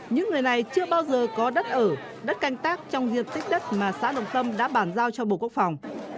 những người này chưa bao giờ có đất ở đất canh tác trong diện tích đất mà xã đồng tâm đã bàn giao cho bộ quốc phòng